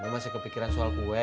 masih kepikiran soal kue